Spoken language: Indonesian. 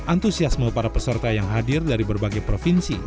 antusiasme para peserta yang hadir dari berbagai provinsi